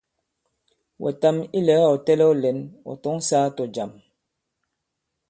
Wɛ̀tam ilɛ̀ga ɔ̀ tɛlɛ̄w lɛ̌n, ɔ̀ tɔ̌ŋ sāā tɔ̀jàm.